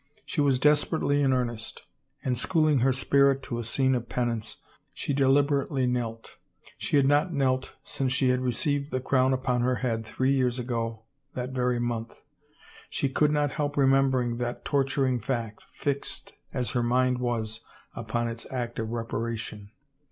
She was desperately in earnest, and schooling her spirit to a scene of penance, she deliberately knelt. She had not knelt since she had received the crown upon her head, three years ago that very month. She could not help remembering that torturing fact, fixed as her mind was upon its act of reparation.